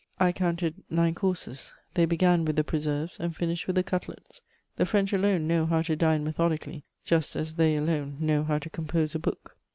I counted nine courses: they began with the preserves and finished with the cutlets. The French alone know how to dine methodically, just as they alone know how to compose a book.